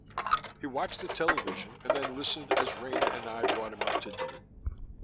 He watched the television and then listened as Rena and I brought him up to date.